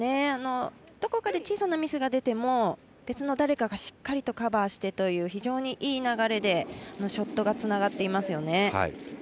どこかで小さなミスが出ても別の誰かがしっかりとカバーしてという非常にいい流れでショットがつながっていますよね。